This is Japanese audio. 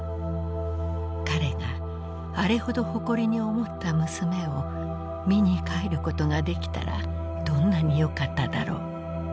彼があれほど誇りに思った娘を見に帰ることができたらどんなによかっただろう。